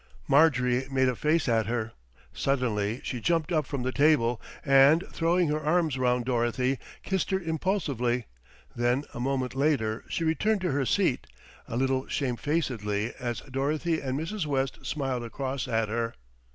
Marjorie made a face at her. Suddenly she jumped up from the table, and throwing her arms round Dorothy, kissed her impulsively, then a moment later she returned to her seat, a little shamefacedly as Dorothy and Mrs. West smiled across at her.